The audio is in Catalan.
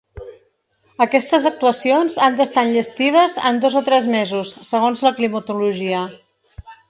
Aquestes actuacions han d’estar enllestides en dos o tres mesos, segons la climatologia.